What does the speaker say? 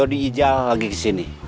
ewok diduk iodh ijal lagi disini